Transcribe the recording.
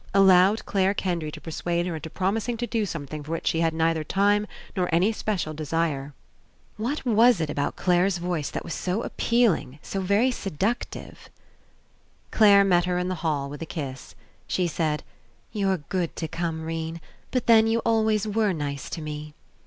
Al lowed Clare Kendry to persuade her into prom ising to do something for which she had neither time nor any special desire. What was it about Clare's voice that was so appealing, so very seductive ? 52 ENCOUNTER Clare met her in the hall with a kiss. She said: "You're good to come, 'Rene. But, then, you always were nice to me."